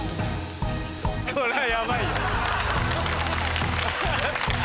これはヤバいよ。